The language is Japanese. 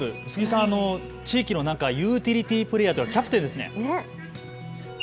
臼杵さん、地域のユーティリティープレーヤーというかキャプテンですね。